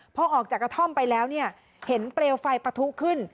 พอออกจากกระท่อมไปแล้วเนี่ยเห็นเปลวไฟปะทุขึ้น